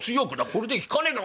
これで効かねえか。